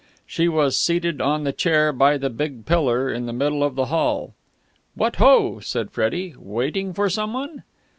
She was seated on the chair by the big pillar in the middle of the hall. "What ho!" said Freddie. "Waiting for someone?"